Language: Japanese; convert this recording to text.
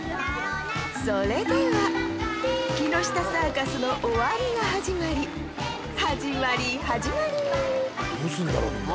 それでは木下サーカスの「終わりが始まり」始まり始まりどうすんだろみんな。